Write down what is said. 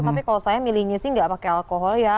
tapi kalau saya milihnya sih nggak pakai alkohol ya